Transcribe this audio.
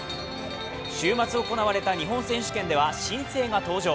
週末、行われた日本選手権では新星が登場。